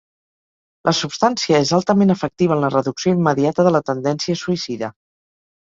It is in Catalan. La substància és altament efectiva en la reducció immediata de la tendència suïcida.